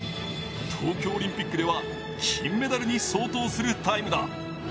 なんと銀メダル、東京オリンピックでは金メダルに相当するタイムだ。